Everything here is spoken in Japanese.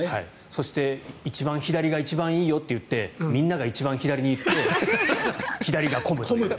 そして左が一番いいよって言ってみんなが一番左に行って左が混むという。